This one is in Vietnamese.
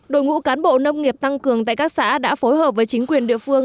đội ngũ cán bộ nông nghiệp tăng cường tại các xã đã phối hợp với chính quyền địa phương